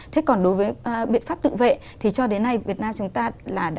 thế còn đối với biện pháp tự vệ thì cho đến nay việt nam chúng ta là đã